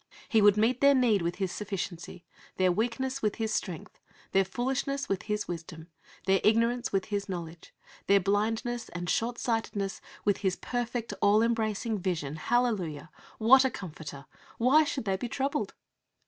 He would meet their need with His sufficiency; their weakness with His strength; their foolishness with His wisdom; their ignorance with His knowledge; their blindness and short sightedness with His perfect, all embracing vision. Hallelujah! What a Comforter! Why should they be troubled?